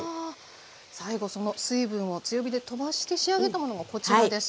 最後その水分を強火で飛ばして仕上げたものがこちらです。